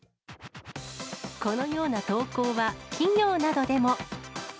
このような投稿は企業などでも。